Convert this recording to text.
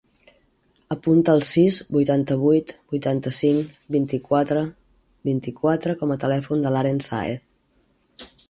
Apunta el sis, vuitanta-vuit, vuitanta-cinc, vint-i-quatre, vint-i-quatre com a telèfon de l'Aren Saez.